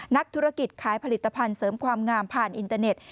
นักธุรกิจขายผลิตภัณฑ์เสริมความงามผ่านอินเตอร์เน็ต